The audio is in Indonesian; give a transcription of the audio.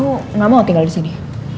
kenapa mau tinggal disini